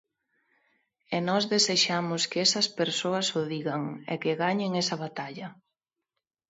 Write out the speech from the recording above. E nós desexamos que esas persoas o digan e que gañen esa batalla.